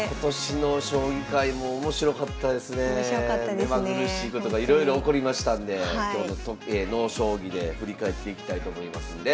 目まぐるしいことがいろいろ起こりましたんで今日の「ＮＯ将棋」で振り返っていきたいと思いますんで。